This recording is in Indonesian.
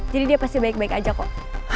jadi dia pasti baik baik aja kok